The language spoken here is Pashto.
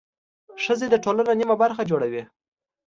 ښځې د ټولنې نميه برخه جوړوي.